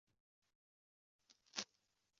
该海峡中有天鹅群岛等岛屿。